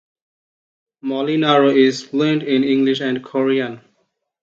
Molinaro is fluent in English and Korean.